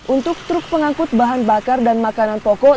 untuk truk pengangkut bahan bakar dan makanan pokok